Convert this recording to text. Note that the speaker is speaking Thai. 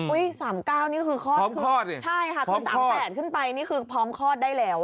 อุ๊ย๓๙นี่คือคลอดใช่ค่ะคือ๓๘ขึ้นไปนี่คือพร้อมคลอดได้แล้ว